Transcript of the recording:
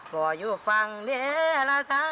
บ่อยุฟังเด็กละชาย